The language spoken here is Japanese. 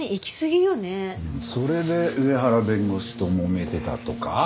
それで上原弁護士ともめてたとか？